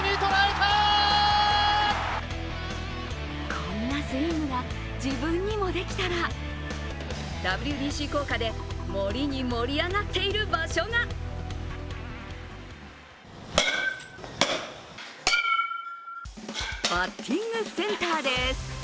こんなスイングが自分にもできたらＷＢＣ効果で盛りに盛り上がっている場所がバッティングセンターです。